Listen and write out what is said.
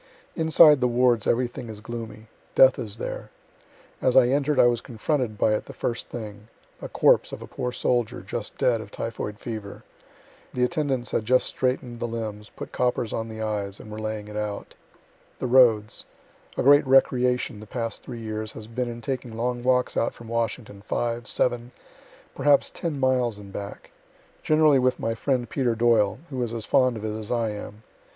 Inside the wards everything is gloomy. Death is there. As I enter'd, I was confronted by it the first thing; a corpse of a poor soldier, just dead, of typhoid fever. The attendants had just straighten'd the limbs, put coppers on the eyes, and were laying it out. The roads A great recreation, the past three years, has been in taking long walks out from Washington, five, seven, perhaps ten miles and back; generally with my friend Peter Doyle, who is as fond of it as I am.